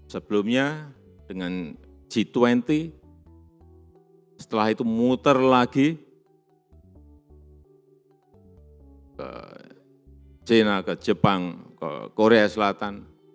sebelumnya dengan g dua puluh setelah itu muter lagi ke china ke jepang ke korea selatan